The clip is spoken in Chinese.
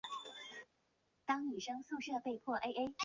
丰县境内的丰沛运河段可通航。